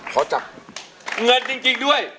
เพราะจากเงินจริงด้วย